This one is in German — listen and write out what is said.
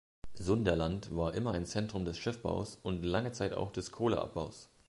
Sunderland war immer ein Zentrum des Schiffbaus und lange Zeit auch des Kohleabbaus.